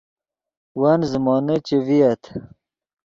ون زیمونے چے ڤییت